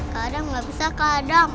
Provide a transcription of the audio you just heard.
kadang gak bisa kadang